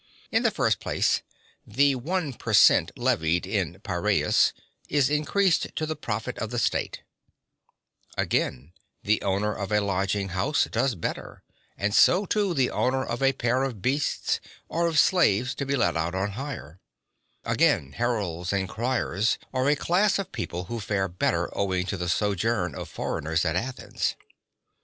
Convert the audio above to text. In the first place, the one per cent (44) levied in Piraeus is increased to the profit of the state; again, the owner of a lodging house (45) does better, and so, too, the owner of a pair of beasts, or of slaves to be let out on hire; (46) again, heralds and criers (47) are a class of people who fare better owing to the sojourn of foreigners at Athens.